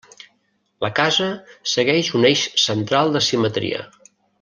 La casa segueix un eix central de simetria.